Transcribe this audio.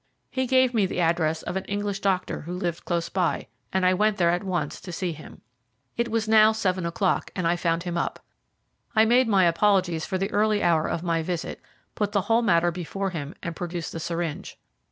He gave me the address of an English doctor who lived close by, and I went there at once to see him. It was now seven o'clock, and I found him up. I made my apologies for the early hour of my visit, put the whole matter before him, and produced the syringe.